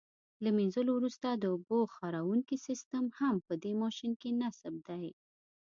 له منځلو وروسته د اوبو خاروونکی سیسټم هم په دې ماشین کې نصب دی.